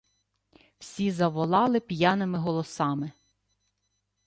Всі заволали п'яними голосами: